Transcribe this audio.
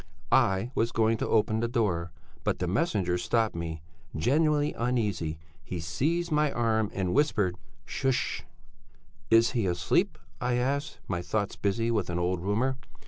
I was going to open the door but the messenger stopped me; genuinely uneasy, he seized my arm and whispered: 'Shsh!' 'Is he asleep?' I asked, my thoughts busy with an old rumour.